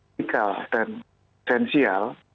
kritikal dan esensial